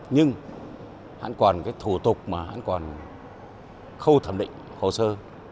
nhưng hẳn còn thủ tục mà hẳn còn khâu thẩm định hồ sơ